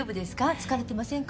疲れてませんか？